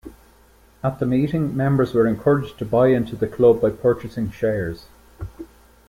At the meeting, members were encouraged to buy into the club by purchasing shares.